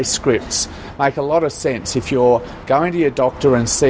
sebelumnya mereka harus menerima obat obatan yang sama